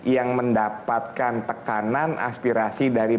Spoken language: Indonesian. yang mendapatkan tekanan aspirasi dari